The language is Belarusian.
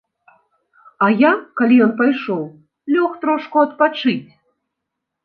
А я, калі ён пайшоў, лёг трошку адпачыць.